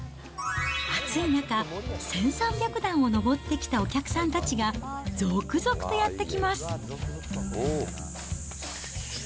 暑い中、１３００段を上ってきたお客さんたちが、続々とやって来ます。